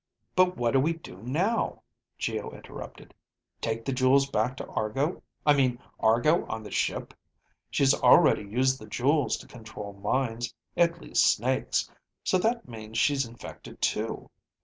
"But what do we do now?" Geo interrupted. "Take the jewels back to Argo, I mean Argo on the ship? She's already used the jewels to control minds, at least Snake's, so that means she's infected, too."